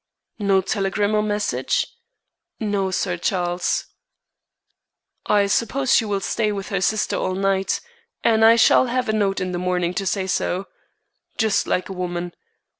"No telegram or message?" "No, Sir Charles." "I suppose she will stay with her sister all night, and I shall have a note in the morning to say so. Just like a woman.